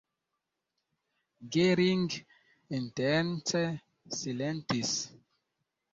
Gering intence silentis.